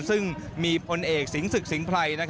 ซึ่งมีพลเอกสิงศึกสิงไพร